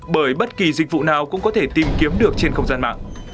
bởi bất kỳ dịch vụ nào cũng có thể tìm kiếm được trên không gian mạng